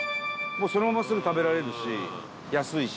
そのまま、すぐ食べられるし安いし。